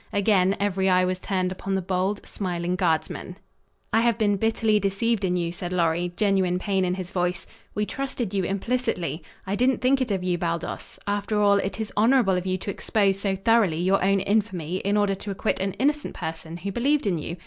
Again every eye was turned upon the bold, smiling guardsman. "I have been bitterly deceived in you," said Lorry, genuine pain in his voice. "We trusted you implicitly. I didn't think it of you, Baldos. After all, it is honorable of you to expose so thoroughly your own infamy in order to acquit an innocent person who believed in you.